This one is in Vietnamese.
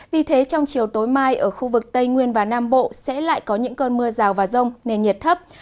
vì thế trong chiều tối mai ở khu vực tây nguyên và nam bộ sẽ lại có những cơn mưa rào và rông nền nhiệt thấp